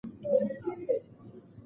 سوله د ملت د پرمختګ لار ده.